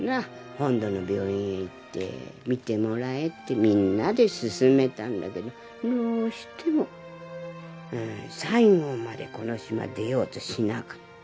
本土の病院へ行って診てもらえってみんなで勧めたんだけどどうしても最期までこの島出ようとしなかった。